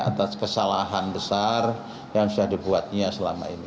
atas kesalahan besar yang sudah dibuatnya selama ini